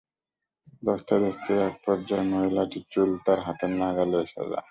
ধস্তাধস্তির এক পর্যায়ে মহিলাটির চুল তার হাতের নাগালে এসে যায়।